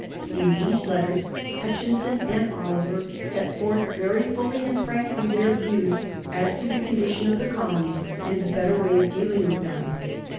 In these letters Hutchinson and Oliver set forth very fully and frankly their views as to the condition of the colonies and the better way of dealing with them.